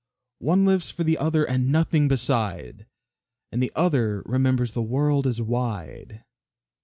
One lives for the other and nothing beside, And the other remembers the world is wide.